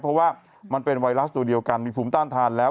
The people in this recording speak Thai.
เพราะว่ามันเป็นไวรัสตัวเดียวกันมีภูมิต้านทานแล้ว